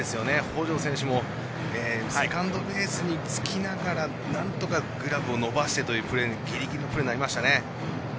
北條選手もセカンドベースにつきながら何とかグローブを伸ばしてというぎりぎりのプレーになりましたね。